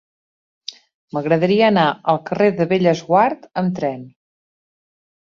M'agradaria anar al carrer de Bellesguard amb tren.